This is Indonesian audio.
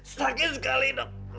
sakit sekali dok